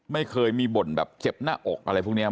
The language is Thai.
ไม่เคยมีบ่นแบบเจ็บหน้าอกอะไรพวกนี้